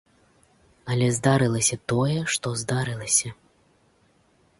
Але здарылася тое, што здарылася.